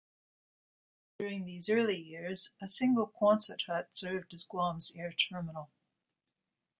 During these early years, a single Quonset hut served as Guam's air terminal.